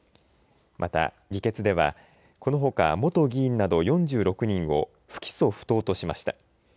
また、議決ではこのほか元議員など４６人を不起訴不当としました。